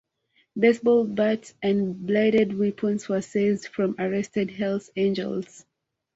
Baseball bats and bladed weapons were seized from arrested Hells Angels.